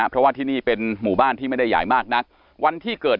เพราะว่าที่นี่เป็นหมู่บ้านที่ไม่ได้ใหญ่มากนักวันที่เกิด